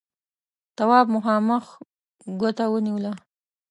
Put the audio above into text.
تواب مخامخ ګوته ونيوله: